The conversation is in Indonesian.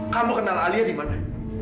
kamu kenal alia di mana